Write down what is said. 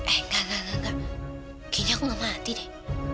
eh enggak enggak kayaknya aku gak mati deh